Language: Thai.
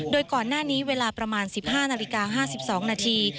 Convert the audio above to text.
โดยก่อนหน้านี้เวลาประมาณ๑๕นาฬิกา๕๒นาที